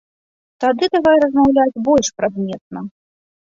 Тады давай размаўляць больш прадметна.